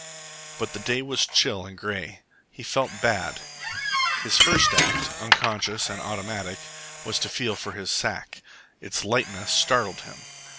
But the day was chill and grey. He felt bad. His first act, unconscious and automatic, was to feel for his sack. Its lightness startled him.